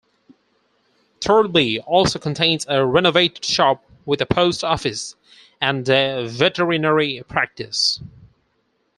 Thurlby also contains a renovated shop with a post office, and a veterinary practice.